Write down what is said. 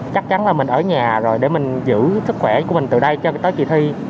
chắc chắn là mình ở nhà rồi để mình giữ sức khỏe của mình từ đây cho tới kỳ thi